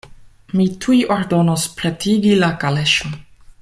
Mi tuj ordonos pretigi la kaleŝon.